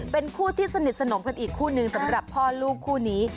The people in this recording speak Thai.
เป็นคู่ที่สนิทสนมกันอีกคู่นึงสำหรับพ่อลูกคู่นี้